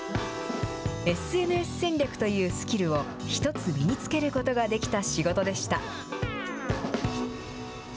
ＳＮＳ戦略というスキルを一つ身につけることができた仕事でした。